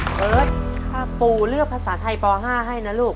เบิร์ตถ้าปู่เลือกภาษาไทยป๕ให้นะลูก